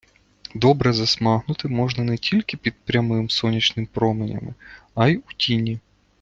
Добре засмагнути можна не тільки під прямими сонячними променями, а й у тіні.